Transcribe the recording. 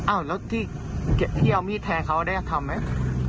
อ้าวแล้วที่เอามีดแทงเขาได้ทำไหม